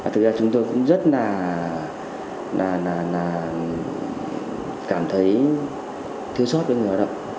thực ra chúng tôi cũng rất là cảm thấy thiếu sót với người lao động